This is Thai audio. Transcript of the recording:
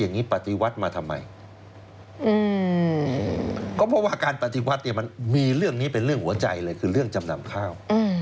อย่างนี้ปฏิวัติมาทำไมก็เพราะว่าการปฏิวัติเนี่ยมันมีเรื่องนี้เป็นเรื่องหัวใจเลยคือเรื่องจำนำข้าว